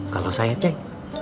kalau saya cek